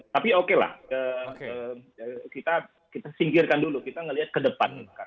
tapi oke lah kita singkirkan dulu kita melihat ke depan